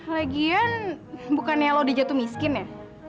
lagian bukannya lo dijatuh miskin ya